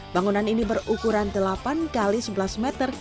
bangunan ini berukuran delapan x sebelas meter